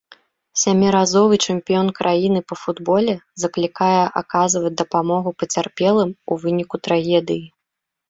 Сяміразовы чэмпіён краіны па футболе заклікае аказваць дапамогу пацярпелым у выніку трагедыі.